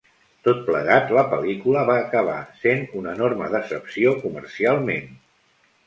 Tot plegat, la pel·lícula va acabar sent una enorme decepció comercialment.